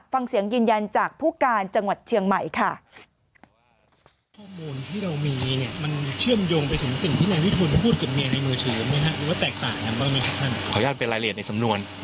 ฟังเสียงยืนยันจากผู้การจังหวัดเชียงใหม่ค่ะ